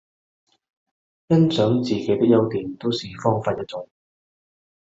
欣賞自己的優點都是方法一種